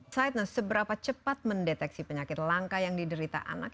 said nah seberapa cepat mendeteksi penyakit langka yang diderita anak